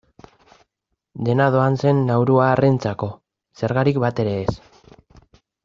Dena doan zen nauruarrentzako, zergarik batere ez.